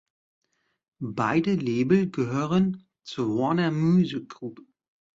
Beide Label gehören zur Warner Music Group.